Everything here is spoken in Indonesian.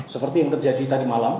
seperti yang terjadi tadi